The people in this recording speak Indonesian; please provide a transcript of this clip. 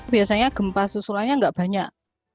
biasanya gempa susulannya nggak banyak